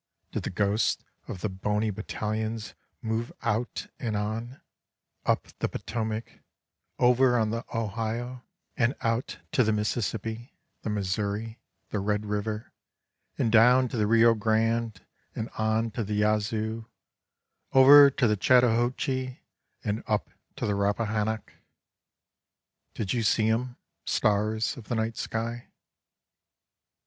did the ghosts of the boney battalions move out and on, up the Potomac, over on the Ohio, And So To day 27 and out to the Mississippi, the Missouri, the Red River, and down to the Rio Grande, and on to the Yazoo, over to the Chattahoochee and up to the Rappa hannock? did you see 'em, stars of the night sky?